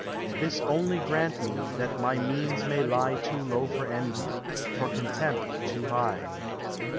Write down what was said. This only grant me, that my means may lie Too low for envy, for contempt too high.